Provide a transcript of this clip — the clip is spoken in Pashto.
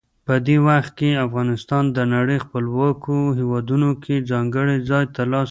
په دې وخت کې افغانستان د نړۍ خپلواکو هیوادونو کې ځانګړی ځای ترلاسه کړ.